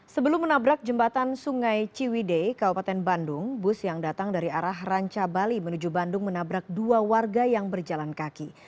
sebelum menabrak jembatan sungai ciwidei kabupaten bandung bus yang datang dari arah ranca bali menuju bandung menabrak dua warga yang berjalan kaki